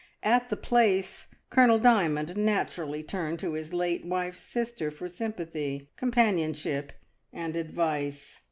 At the Place, Colonel Dymond natur ally turned to his late wife's sister for sympathy, companionship, and advice.